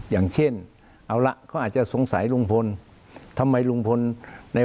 อย่างเช่นเอาละเขาอาจจะสงสัยลุงพลทำไมลุงพลใน